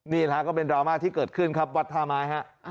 นี่นะฮะก็เป็นดราม่าที่เกิดขึ้นครับวัดท่าไม้ฮะ